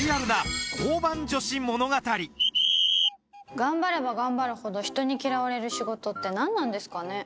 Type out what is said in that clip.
頑張れば頑張るほど人に嫌われる仕事って何なんですかね？